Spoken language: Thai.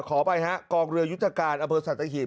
ขอไปฮะกองเรือยุธกาลอเบอร์สัตว์ตะหิบ